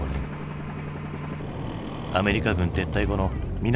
アメリカ軍撤退後の南